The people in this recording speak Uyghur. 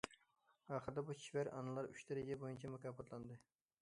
ئاخىرىدا بۇ چېۋەر ئانىلار ئۈچ دەرىجە بويىچە مۇكاپاتلاندى.